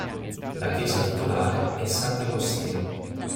La chiesa titolare è Sant'Agostino.